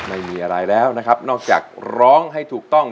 ไม่มีอะไรแล้วนะครับนอกจากร้องให้ถูกต้อง